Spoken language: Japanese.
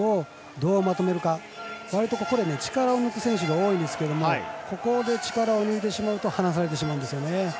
そういうところで力を抜く選手が多いですけどここで力を抜いてしまうと離されてしまうんですよね。